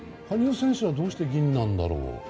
羽生選手はどうして銀なんだろう？